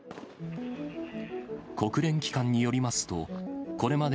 国連機関によりますと、これまで